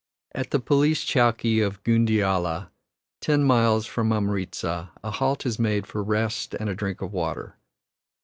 At the police chowkee of Ghundeala, ten miles from Amritza, a halt is made for rest and a drink of water.